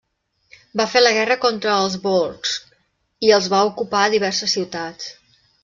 Va fer la guerra contra els volscs i els va ocupar diverses ciutats.